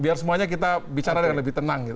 biar semuanya kita bicara dengan lebih tenang gitu